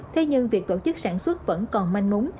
thế nhưng việc tổ chức sản xuất vẫn còn manh múng